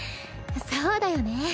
そうだよね